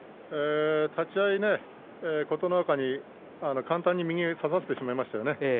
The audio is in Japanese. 立ち合い琴ノ若に簡単に右を差させてしまいましたね。